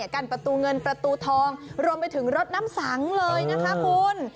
กันประตูเงินประตูทองรวมไปถึงรถน้ำสังเลยนะคะคุณ